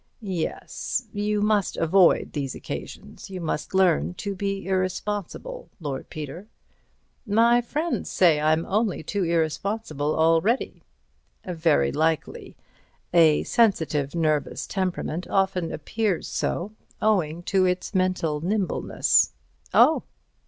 "Yes. You must avoid these occasions. You must learn to be irresponsible, Lord Peter." "My friends say I'm only too irresponsible already." "Very likely. A sensitive nervous temperament often appears so, owing to its mental nimbleness." "Oh!"